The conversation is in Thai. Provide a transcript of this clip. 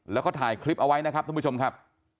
แล้วก็ถ่ายคลิปเอาไว้นะครับท่านผู้ชมครับ